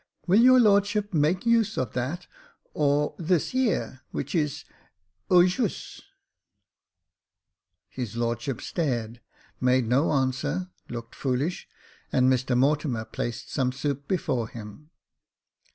Will your lordship make use of that or of this here, which is djussT His lordship stared, made no answer ; looked foolish j and Mr Mortimer placed some soup before him.